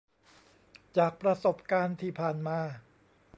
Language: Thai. จากประสบการณ์ที่ผ่านมา